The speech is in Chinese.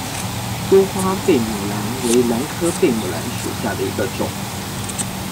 多花贝母兰为兰科贝母兰属下的一个种。